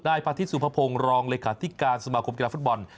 นายพระอาทิตย์สุภพงศ์รองเลขาธิการสมาคมการฟุตบอล